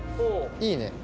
いいね。